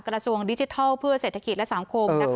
กระทรวงดิจิทัลเพื่อเศรษฐกิจและสังคม